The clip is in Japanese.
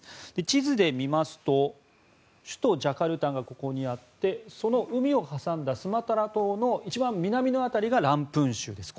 地図で見ますと首都ジャカルタがここにあってその海を挟んだスマトラ島の一番南の辺りがランプン州です。